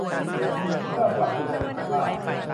เพื่อปรับปรุงประสิทธิภาพ